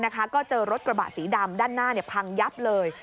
ก็เจอรถกระบะสีดำด้านหน้าพังยับเลย